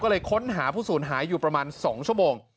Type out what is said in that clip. ก็เลยค้นหาผู้สูญหายอยู่ประมาณ๒ชั่วโมง